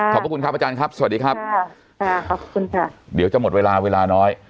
ขอบคุณครับอาจารย์ครับสวัสดีครับค่ะขอบคุณค่ะเดี๋ยวจะหมดเวลาเวลาน้อย